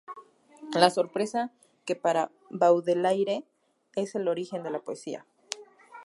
La sorpresa que para Baudelaire es el origen de la poesía.